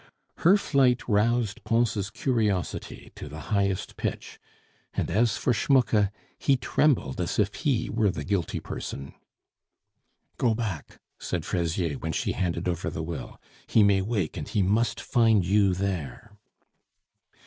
Her flight roused Pons' curiosity to the highest pitch; and as for Schmucke, he trembled as if he were the guilty person. "Go back," said Fraisier, when she handed over the will. "He may wake, and he must find you there."